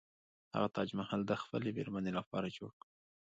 هغه تاج محل د خپلې میرمنې لپاره جوړ کړ.